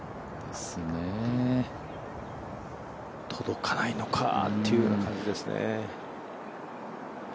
届かないのかという感じですね。